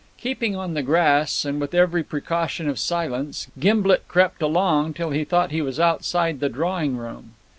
Keeping on the grass, and with every precaution of silence, Gimblet crept along till he thought he was outside the drawing room.